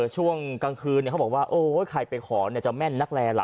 ช่วงกลางคืนเนี่ยเขาบอกว่าโอ้ใครไปขอเนี่ยจะแม่นนักแลละ